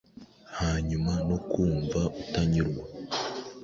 hanyuma no kumva utanyurwa